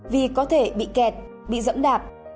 vì có thể bị kẹt bị dẫm đạp